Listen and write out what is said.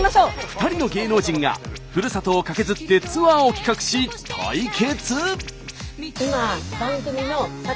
２人の芸能人がふるさとをカケズってツアーを企画し対決！